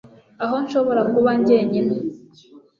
aho nshobora kuba njyenyine